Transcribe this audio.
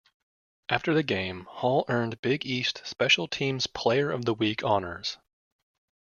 After the game, Hall earned Big East Special Teams Player of the Week honors.